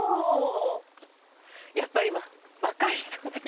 やっぱり若い人って。